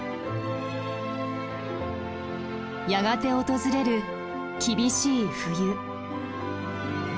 やがて訪れる厳しい冬。